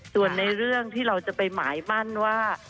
ส่วนในเรื่องที่เราจะไปหมายมั่นว่า